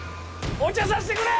お茶させてくれ！